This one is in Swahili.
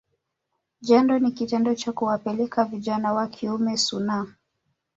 Jando ni kitendo cha kuwapeleka vijana wa kiume sunnah